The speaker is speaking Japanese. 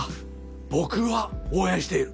僕は応援している。